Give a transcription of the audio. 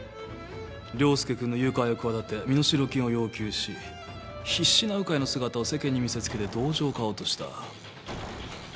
椋介君の誘拐を企て身代金を要求し必死な鵜飼の姿を世間に見せつけて同情を買おうとした。